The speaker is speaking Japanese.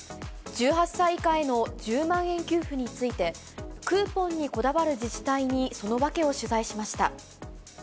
１８歳以下への１０万円給付について、クーポンにこだわる自治体に、その訳を取材しました。